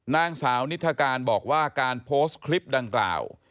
นางสาวนิทธการบอกว่าการโพสต์คลิปดังกล่าว